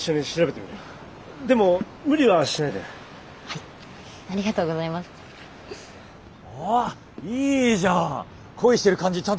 いいじゃん。